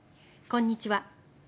こんにちは。